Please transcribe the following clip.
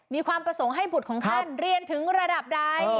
มีความประสงค์ให้บุตรของท่านเรียนถึงระดับใด